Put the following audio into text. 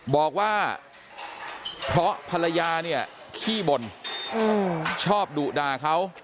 บอกว่าเพราะภรรยาเนี่ยขี้บ่นชอบดุด่าเขา